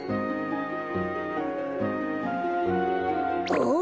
あっ？